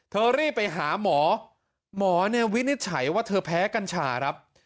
รีบไปหาหมอหมอเนี่ยวินิจฉัยว่าเธอแพ้กัญชาครับ